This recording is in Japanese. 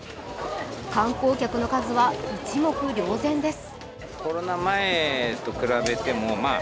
観光客の数は一目瞭然です。